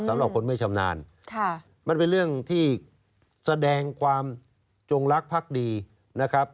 สำหรับคนไม่ชำนาญมันเป็นเรื่องที่แสดงความจงรักภักดีนะครับ